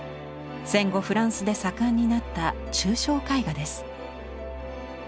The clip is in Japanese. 戦後フランスで盛んになった抽象絵画です。